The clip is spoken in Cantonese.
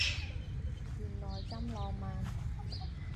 原來咁浪漫